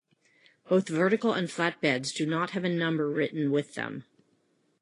Both vertical and flat beds do not have a number written with them.